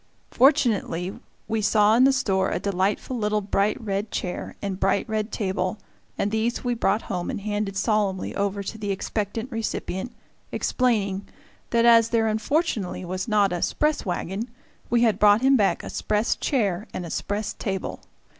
Fortunately, we saw in the store a delightful little bright red chair and bright red table, and these we brought home and handed solemnly over to the expectant recipient, explaining that as there unfortunately was not a "'spress" wagon we had brought him back a "'spress" chair and "'spress" table.